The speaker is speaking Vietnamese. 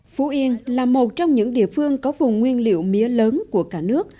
phú yên là một trong những địa phương có vùng nguyên liệu mía lớn của cả nước